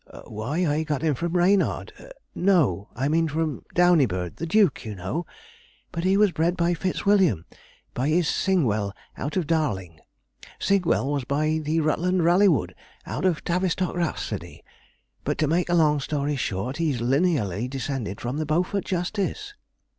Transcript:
'Why, I got him from Reynard no, I mean from Downeybird the Duke, you know; but he was bred by Fitzwilliam by his Singwell out of Darling. Singwell was by the Rutland Rallywood out of Tavistock Rhapsody; but to make a long story short, he's lineally descended from the Beaufort Justice.'